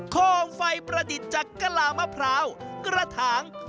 โคมไฟประดิษฐ์จากกะลามะพร้าวกระถาง